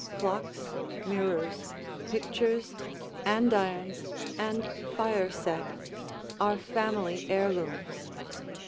Clocks, mirrors, pictures, andirons, and fire set are family heirlooms.